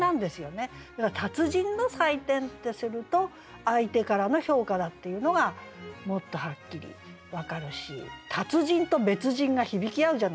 だから「達人の採点」ってすると相手からの評価だっていうのがもっとはっきり分かるし「達人」と「別人」が響き合うじゃないですか。